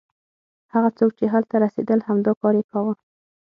هغه څوک چې هلته رسېدل همدا کار یې کاوه.